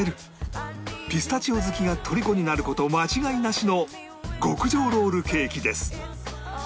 ピスタチオ好きがとりこになる事間違いなしの極上ロールケーキです